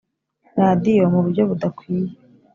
radiyo mu buryo budakwiye